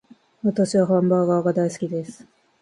私はハンバーガーが大好きです